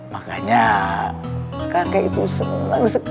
pak ustadz betul pak